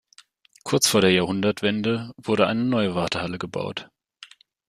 Kurz vor der Jahrhundertwende wurde eine neue Wartehalle gebaut.